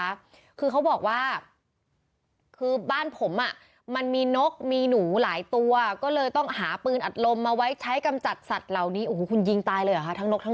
อ่าพอมีเวลาว่างอะมันก็ต้องซ้อมไงเดี๋ยวยิงไม่แม่น